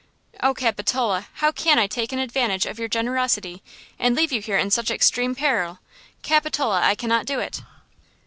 Oh, Capitola! how can I take an advantage of your generosity, and leave you here in such extreme peril? Capitola, I cannot do it!"